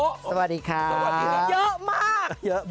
สวัสดีครับสวัสดีครับสวัสดีครับสวัสดีครับสวัสดีครับ